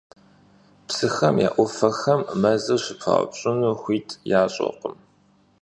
Psıxem ya 'Ufexem mezır şıpaupş'ınu xuit yaş'ırkhım.